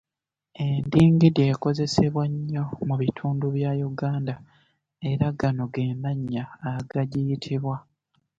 Endingidi ekozesebwa nnyo mu bitundu bya Yuganda era gano ge mannya agagiyitibwa.